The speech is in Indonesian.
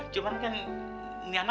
cuman kan ini anak masih kecil kan